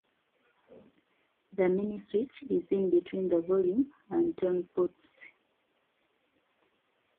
The mini switch is in between the volume and tone pots.